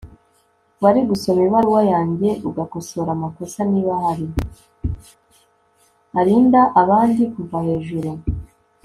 Arinda abandi kuva hejuru